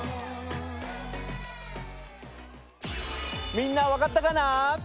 みんなわかったかな？